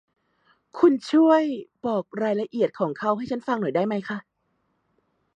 คุณช่วยบอกรายละเอียดของเขาให้ฉันฟังหน่อยได้ไหม ?